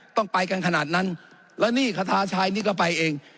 ต้องไปกันขนาดนั้นแล้วนี่คาทาชัยนี่ก็ไปเอง